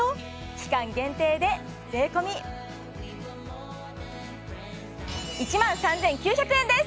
期間限定で税込１万３９００円です！